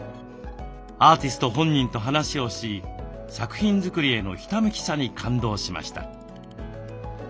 アーティスト本人と話をし作品づくりへのひたむきさに感動しました。